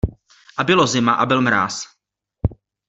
A bylo zima a byl mráz.